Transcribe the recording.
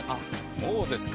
もうですか？